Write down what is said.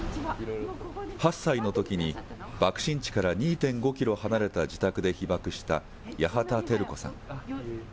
８歳のときに爆心地から２．５キロ離れた自宅で被爆した八幡照子さん。